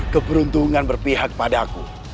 keperuntungan berpihak pada aku